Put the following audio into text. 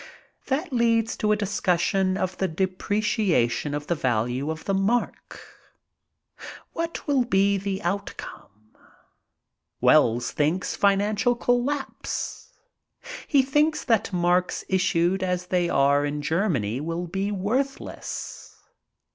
That leads to a discussion of the depreciation in the value of the mark. What will be the outcome? Wells thinks financial collapse. He thinks that marks issued as they are in Germany will be worthless.